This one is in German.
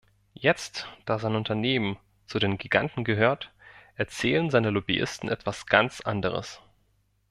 Jetzt, da sein Unternehmen zu den Giganten gehört, erzählen seine Lobbyisten etwas ganz anderes.